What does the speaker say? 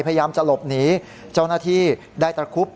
พยายามจะหลบหนีเจ้าหน้าที่ได้ตระคุบ